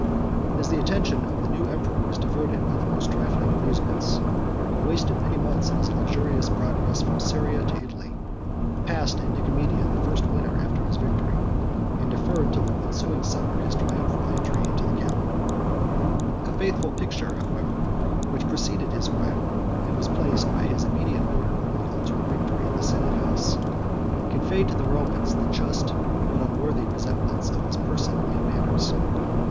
50 50 (return) [ Dion, l. lxxix. p. 1353.] As the attention of the new emperor was diverted by the most trifling amusements, he wasted many months in his luxurious progress from Syria to Italy, passed at Nicomedia his first winter after his victory, and deferred till the ensuing summer his triumphal entry into the capital. A faithful picture, however, which preceded his arrival, and was placed by his immediate order over the altar of Victory in the senate house, conveyed to the Romans the just but unworthy resemblance of his person and manners.